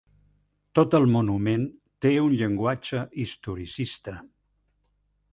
Tot el monument té un llenguatge historicista.